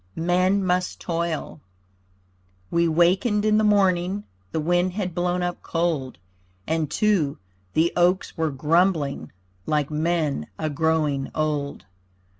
MEN MUST TOIL We wakened in the morning The wind had blown up cold; And too, the oaks were grumbling Like men agrowing old.